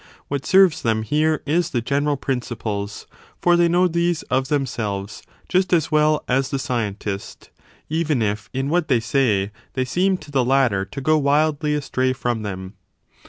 What serves them here is the general principles : for they know these of themselves just as well as the scientist, even if in what they say they seem to the latter to go wildly astray from them.